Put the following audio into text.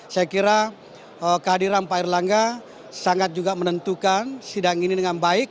saya kira kehadiran pak erlangga sangat juga menentukan sidang ini dengan baik